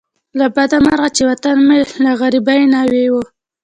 له بده مرغه چې وطن مې لکه غریبه ناوې وو.